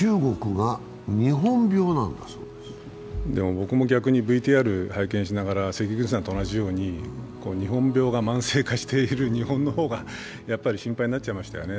僕も逆にＶＴＲ拝見しながら関口さんと同じように日本病が慢性化している日本の方が心配になっちゃいましたよね。